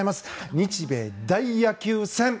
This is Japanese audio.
「日米大野球戦」。